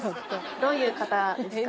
どういう方ですか？